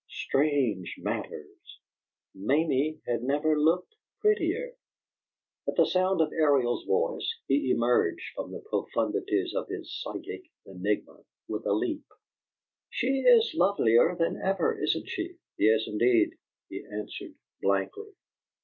Strange matters! Mamie had never looked prettier. At the sound of Ariel's voice he emerged from the profundities of his psychic enigma with a leap. "She is lovelier than ever, isn't she?" "Yes, indeed," he answered, blankly.